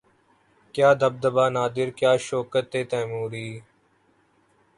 کیا دبدبۂ نادر کیا شوکت تیموری